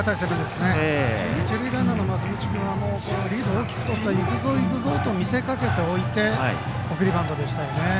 一塁ランナーの増渕君はリードを大きく取っていくぞ、いくぞと見せかけておいて送りバントでしたよね。